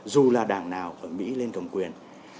dù là đảng nào ở mỹ lên cầm quyền